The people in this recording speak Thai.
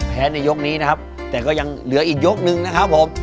ในยกนี้นะครับแต่ก็ยังเหลืออีกยกนึงนะครับผม